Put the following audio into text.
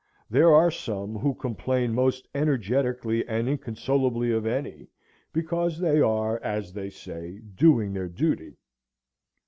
There are some who complain most energetically and inconsolably of any, because they are, as they say, doing their duty.